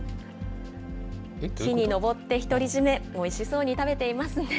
木に登って独り占め、おいしそうに食べていますね。